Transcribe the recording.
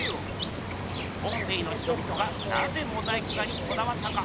ポンペイの人々がなぜモザイク画にこだわったか？